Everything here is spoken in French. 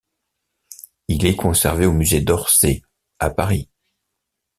Il est conservé au musée d'Orsay, à Paris.